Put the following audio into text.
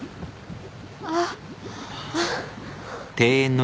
あっ。